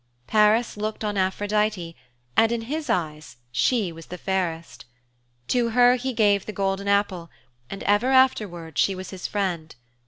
Paris looked on Aphrodite and in his eyes she was the fairest. To her he gave the golden apple and ever afterwards she was his friend.